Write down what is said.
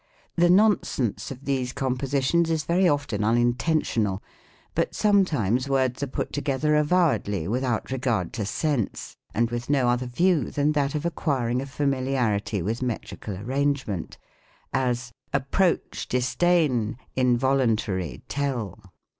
The nonsense of these compositions is very often unintentional ; but some times words are put together avowedly without regard | to sense, and with no other view than that of acquiring a familiarity with metrical arrangement : as, "Approach, disdain, involuntary, tell."